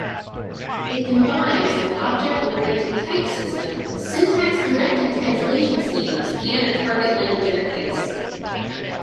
It combines an object-oriented type system, syntax-directed translation schemes and a target-language interface.